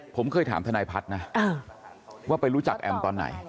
ผมเคยถามทนายพัฒน์นะว่าไปรู้จักแอมตอนไหน